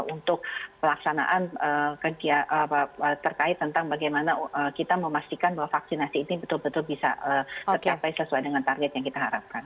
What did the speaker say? untuk pelaksanaan terkait tentang bagaimana kita memastikan bahwa vaksinasi ini betul betul bisa tercapai sesuai dengan target yang kita harapkan